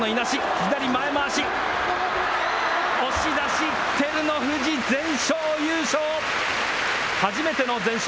左前まわし、押し出し、照ノ富士、全勝優勝！